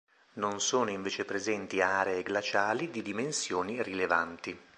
Non sono invece presenti aree glaciali di dimensioni rilevanti.